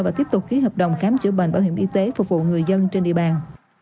và tiếp tục ký hợp đồng khám chữa bệnh bảo hiểm y tế phục vụ người dân trên địa bàn